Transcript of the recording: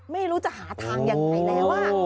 ไม่รู้จะหาทางยังไงแล้ว